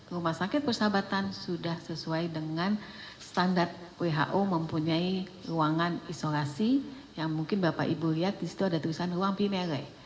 rumah sakit persahabatan sudah sesuai dengan standar who mempunyai ruangan isolasi yang mungkin bapak ibu lihat disitu ada tulisan ruang pinere